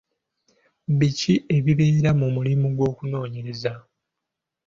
Biki ebibeera mu mulimu gw'okunoonyereza?